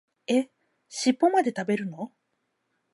え、しっぽまで食べるの？